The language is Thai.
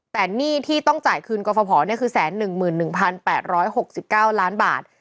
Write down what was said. แต่หนี้ที่ต้องจ่ายคืนกรฟภคือ๑๑๑๘๖๙ล้านบาท